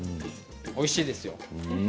おいしいですよ。